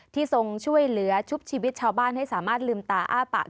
ทรงช่วยเหลือชุบชีวิตชาวบ้านให้สามารถลืมตาอ้าปาก